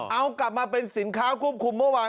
เอากลับมาเป็นสินค้าควบคุมเมื่อวาน